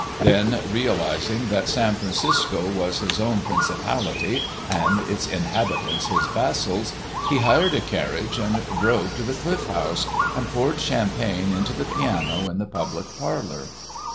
Then, realising that San Francisco was his own principality and its inhabitants his vassals, he hired a carriage and drove to the Cliff House, and poured champagne into the piano in the public parlor.